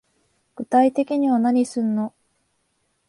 具体的には何すんの